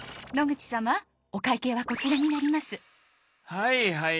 はいはい。